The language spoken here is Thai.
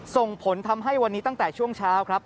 ส่งผลทำให้วันนี้ตั้งแต่ช่วงเช้าครับ